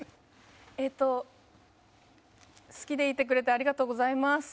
えーっと好きでいてくれてありがとうございます。